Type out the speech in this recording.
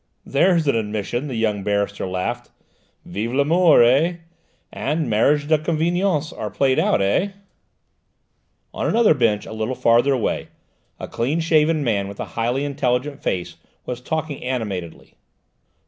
"There's an admission!" the young barrister laughed. "Vive l'amour, eh? And mariages de convenance are played out, eh?" On another bench a little further away, a clean shaven man with a highly intelligent face was talking animatedly.